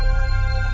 ya udah deh